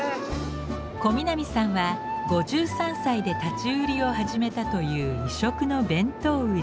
小南さんは５３歳で立ち売りを始めたという異色の弁当売り。